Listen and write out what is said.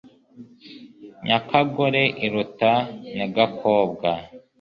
nyakagore iruta nyagakobwa